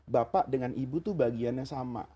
bapak dengan ibu tuh bagiannya sama